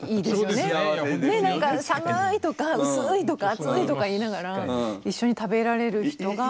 何か寒いとか薄いとか熱いとか言いながら一緒に食べられる人が。